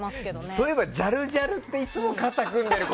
そういえばジャルジャルっていつも肩組んでる